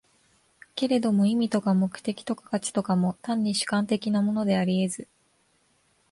けれども意味とか目的とか価値とかも、単に主観的なものであり得ず、